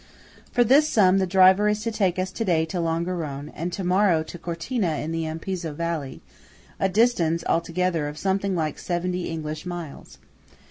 2 For this sum the driver is to take us to day to Longarone, and to morrow to Cortina in the Ampezzo Valley–a distance, altogether, of something like seventy English miles.